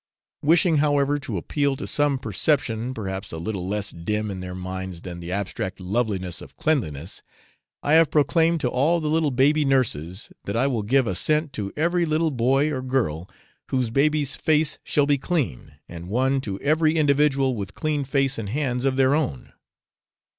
Wishing, however, to appeal to some perception, perhaps a little less dim in their minds than the abstract loveliness of cleanliness, I have proclaimed to all the little baby nurses, that I will give a cent to every little boy or girl whose baby's face shall be clean, and one to every individual with clean face and hands of their own.